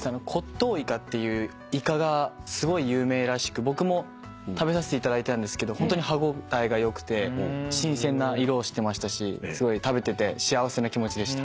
特牛イカっていうイカがすごい有名らしく僕も食べさせていただいたんですけどホントに歯応えがよくて新鮮な色をしてましたしすごい食べてて幸せな気持ちでした。